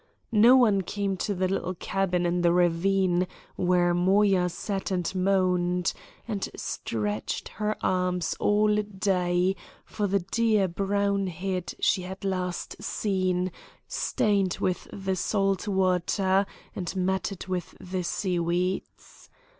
No one came to the little cabin in the ravine where Moya sat and moaned, and stretched her arms all day for the dear brown head she had last seen stained with the salt water and matted with the seaweeds.